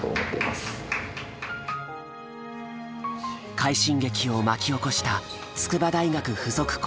快進撃を巻き起こした筑波大学附属高校。